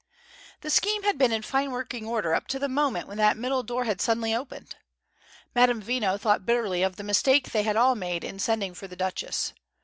The scheme had been in fine working order up to the moment when that middle door had suddenly opened! Madame Veno thought bitterly of the mistake they had all made in sending for the Duchess.